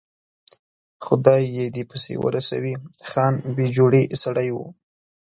خدای یې دې پسې ورسوي، خان بې جوړې سړی و.